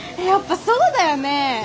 やっぱそうだよね。